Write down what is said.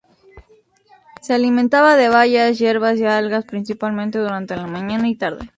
Se alimentaban de bayas, hierbas y algas principalmente durante la mañana y tarde.